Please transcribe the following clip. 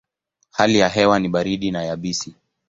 Hali ya hewa ni baridi na yabisi.